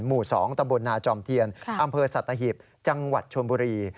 หมู่๒ตำบลนาจอมเทียนอำเภอสัตหีบจังหวัดชนบุรี